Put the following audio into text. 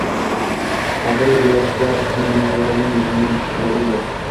Xalqaro yoshlar kuni munosabati bilan yoʻllagan tabrigi bor.